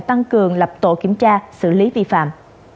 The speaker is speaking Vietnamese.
tăng cường lập tổ kiểm tra xử lý vi phạm